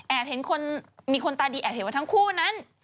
เห็นคนมีคนตาดีแอบเห็นว่าทั้งคู่นั้น